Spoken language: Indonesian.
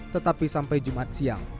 tetapi sampai jumat siang